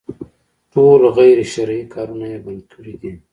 ټول غير شرعي کارونه يې بند کړي دي.